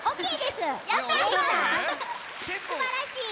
すばらしい。